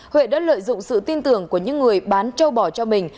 huệ đã lợi dụng sự tin tưởng của những người bán châu bò cho mình